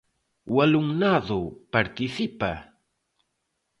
O alumnado participa?